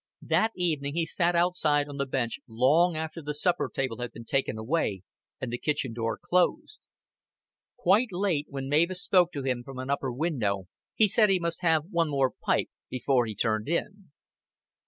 That evening he sat outside on the bench long after the supper table had been taken away and the kitchen door closed. Quite late, when Mavis spoke to him from an upper window, he said he must have one more pipe before he turned in.